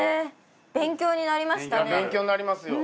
勉強になりますよ。